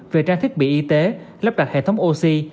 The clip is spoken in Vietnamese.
về trang thiết bị y tế lắp đặt hệ thống oxy